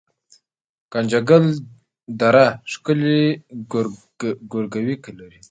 ګنجګل دره ښکلې ګورګوي لري